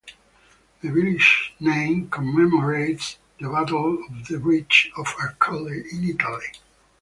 The village's name commemorates the Battle of the Bridge of Arcole, in Italy.